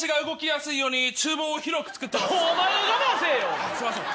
すいません。